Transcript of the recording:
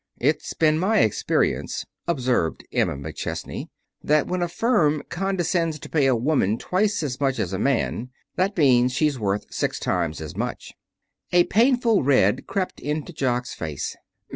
"It's been my experience," observed Emma McChesney, "that when a firm condescends to pay a woman twice as much as a man, that means she's worth six times as much." A painful red crept into Jock's face.